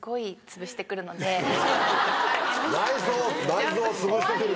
内臓を内臓を潰してくる。